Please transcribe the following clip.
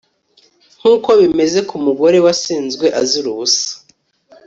nk'uko bimeze ku mugore wasenzwe azira ubusa